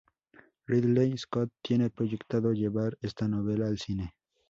Ridley Scott tiene proyectado llevar esta novela al cine.